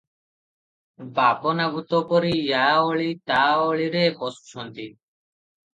ବାବନାଭୂତ ପରି ୟା ଓଳି ତା ଓଳିରେ ପଶୁଛନ୍ତି ।